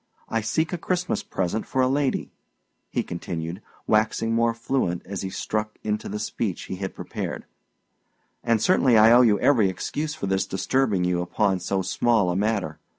I seek a Christmas present for a lady," he continued, waxing more fluent as he struck into the speech he had prepared; "and certainly I owe you every excuse for thus disturbing you upon so small a matter.